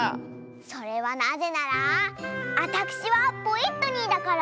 それはなぜならあたくしはポイットニーだから。